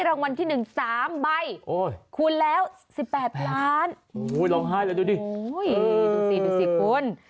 ดูสิคุณ